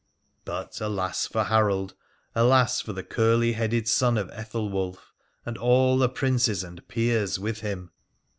But alas for Harold, alas for the curly headed son of Ethelwulf, and all the Princes and Peers with him